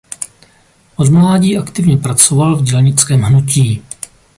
Od mládí aktivně pracoval v dělnickém hnutí.